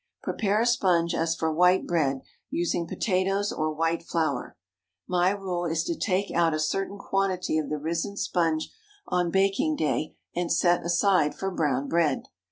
Prepare a sponge as for white bread, using potatoes or while flour. My rule is to take out a certain quantity of the risen sponge on baking day, and set aside for brown bread.